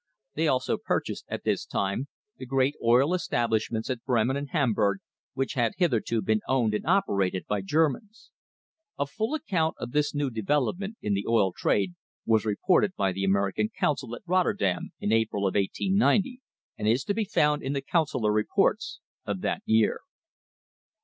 They also purchased at this time the great oil establishments at Bremen and Hamburg which had hitherto been owned and operated by Germans. A full account of this new development in the oil trade was reported by the American consul at Rotterdam in April of 1890, and is to be found in the consular reports of that year.